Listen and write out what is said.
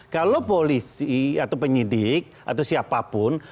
kalau polisi atau penyidik atau siapapun